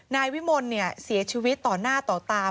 นายวิมลเสียชีวิตต่อหน้าต่อตา